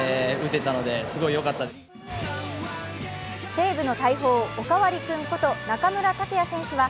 西武の大砲・おかわり君こと中村剛也選手は